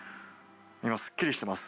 すっきりしてます。